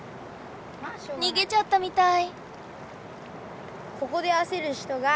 にげちゃったみたい！